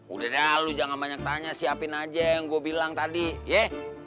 udah dah lo jangan banyak tanya siapin aja yang gue bilang tadi ye